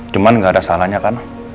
cuman gak ada salahnya